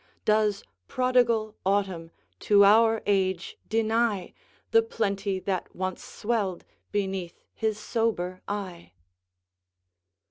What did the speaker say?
Does prodigal Autumn, to our age, deny The plenty that once swelled beneath his sober eye?